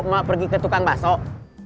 mau pergi ke tukang basok